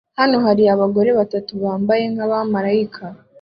Hano hari abagore batatu bambaye nkabamarayika